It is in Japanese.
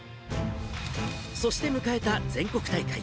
そして迎えた全国大会。